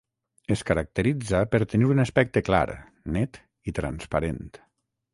Es caracteritza per tenir un aspecte clar, net i transparent.